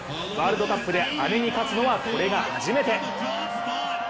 ワールドカップで姉に勝つのはこれが初めて。